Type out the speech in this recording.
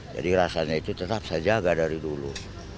jadi rasanya itu tetap saja agak dari dulu